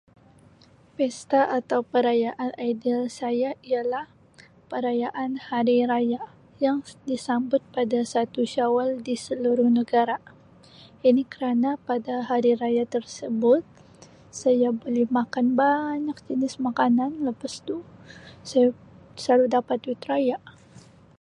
Pesta atau perayaan ideal saya ialah parayaan hari raya yang disambut pada satu syawal di seluruh negara ini kerana pada hari raya tersebut saya boleh makan banyak jenis makanan lepas tu saya slalu dapat duit raya.